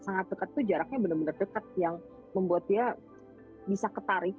sangat dekat itu jaraknya benar benar dekat yang membuat dia bisa ketarik